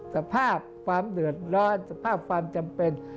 สภาพความเดือดร้อนสภาพความจำเป็น